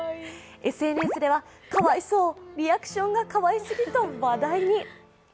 ＳＮＳでは、かわいそうリアクションがかわいすぎと話題に。